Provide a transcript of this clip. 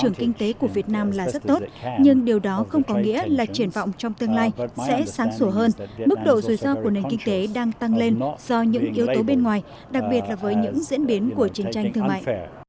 trưởng kinh tế của việt nam là rất tốt nhưng điều đó không có nghĩa là triển vọng trong tương lai sẽ sáng sủa hơn mức độ rủi ro của nền kinh tế đang tăng lên do những yếu tố bên ngoài đặc biệt là với những diễn biến của chiến tranh thương mại